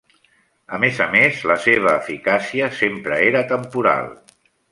A més a més, la seva eficàcia sempre era temporal.